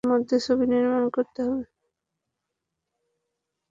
চুক্তি অনুযায়ী টাকা পাওয়ার চার মাসের মধ্যে ছবি নির্মাণ করতে হবে।